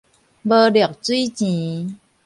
無陸水錢